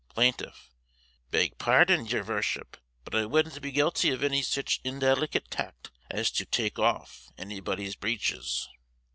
Plaintiff: Beg pardon, yer vorship, but I vouldn't be guilty of any sich indelicate hact, as to "take off" anybody's breeches.